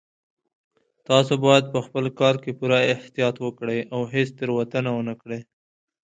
تاسو باید په خپل کار کې پوره احتیاط وکړئ او هیڅ تېروتنه ونه کړئ